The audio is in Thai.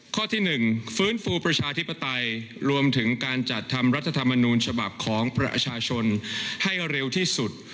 ข้อที่๑ฟื้นฟูประชาธิปไตยรวมถึงการจัดทำรัฐธรรมนูญฉบับของประชาชนให้เร็วที่สุด